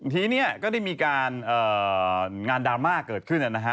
ทีนี้ก็ได้มีการงานดราม่าเกิดขึ้นนะฮะ